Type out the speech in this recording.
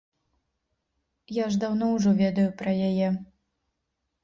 Я ж даўно ўжо ведаю пра яе.